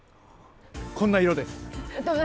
こんな色です。